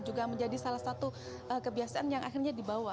juga menjadi salah satu kebiasaan yang akhirnya dibawa